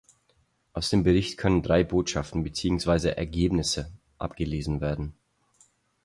Aus dem Bericht können drei Botschaften beziehungsweise Ergebnisse abgelesen werden.